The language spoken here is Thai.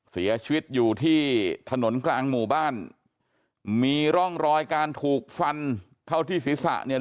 เสียชีวิตอยู่ที่ถนนกลางหมู่บ้านมีร่องรอยการถูกฟันเข้าที่ศีรษะเนี่ย